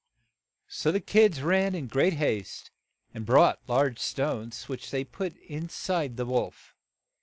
So the kids ran in great haste, and brought large stones, which they put in side of the wolf.